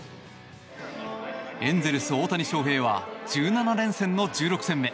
エンゼルス、大谷翔平は１７連戦の１６戦目。